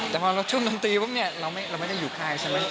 แต่พอเราช่วงดนตรีปุ๊บเนี่ยเราไม่ได้อยู่ค่ายใช่ไหม